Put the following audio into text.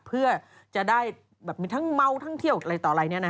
เพื่อจะได้แบบมีทั้งเมาทั้งเที่ยวอะไรต่ออะไร